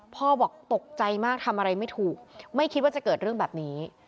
บอกตกใจมากทำอะไรไม่ถูกไม่คิดว่าจะเกิดเรื่องแบบนี้